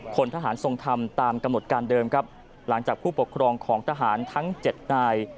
คนทหารทรงธรรมตามกำหนดการเดิมครับหลังจากผู้ปกครองของทหารทั้ง๗นาย